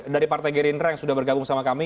dari partai gerindra yang sudah bergabung sama kami